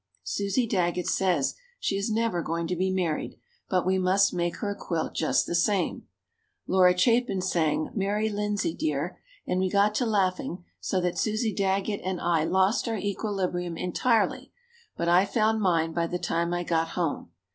Susie Daggett says she is never going to be married, but we must make her a quilt just the same. Laura Chapin sang, "Mary Lindsey, Dear," and we got to laughing so that Susie Daggett and I lost our equilibrium entirely, but I found mine by the time I got home.